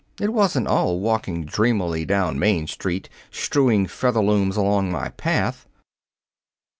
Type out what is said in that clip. It wasn't all walking dreamily down Main Street, strewing Featherlooms along my path."